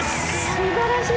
すばらしい。